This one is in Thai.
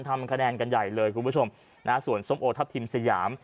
ทำคะแนนกันใหญ่เลยคุณผู้ชมนะส่วนส้มโอทัพทิมสยาม